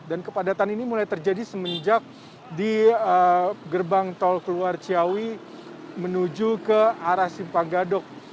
kepadatan ini mulai terjadi semenjak di gerbang tol keluar ciawi menuju ke arah simpang gadok